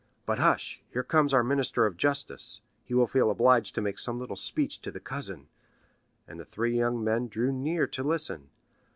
But hush, here comes our minister of justice; he will feel obliged to make some little speech to the cousin," and the three young men drew near to listen.